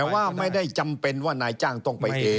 แต่ว่าไม่ได้จำเป็นว่านายจ้างต้องไปเท